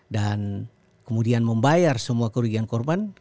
dan kemudian membayar semua kerugian korban